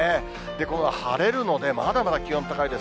この晴れるので、まだまだ気温高いです。